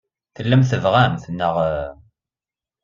Tellam tebɣam-t, naɣ?